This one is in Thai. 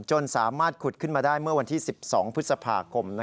จนสามารถขุดขึ้นมาได้เมื่อวันที่๑๒พฤษภาคม